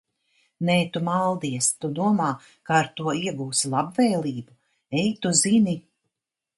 Nē, tu maldies. Tu domā, ka ar to iegūsi labvēlību? Ej tu zini...